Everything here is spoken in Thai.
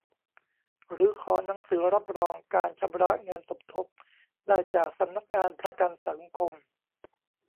หรือขอหนังสือรับรองการชำระเงินสมทบได้จากสำนักงานประกันสังคม